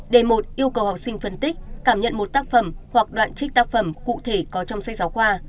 d một yêu cầu học sinh phân tích cảm nhận một tác phẩm hoặc đoạn trích tác phẩm cụ thể có trong sách giáo khoa